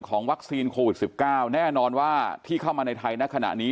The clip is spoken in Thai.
วัคซีนโควิด๑๙แน่นอนว่าที่เข้ามาในไทยณขณะนี้